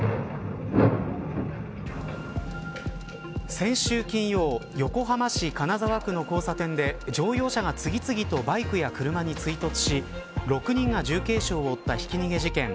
先週金曜横浜市金沢区の交差点で乗用車が次々とバイクや車に追突し６人が重軽傷を負ったひき逃げ事件。